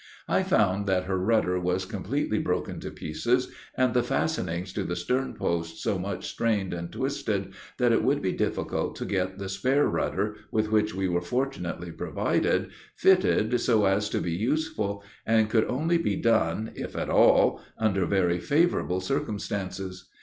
I found that her rudder was completely broken to pieces, and the fastenings to the stern post so much strained and twisted, that it would be difficult to get the spare rudder, with which we were fortunately provided, fitted so as to be useful, and could only be done, if at all, under very favorable circumstances.